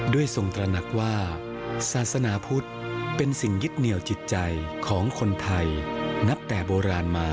ทรงตระหนักว่าศาสนาพุทธเป็นสิ่งยึดเหนียวจิตใจของคนไทยนับแต่โบราณมา